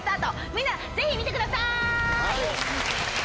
みんなぜひ見てください。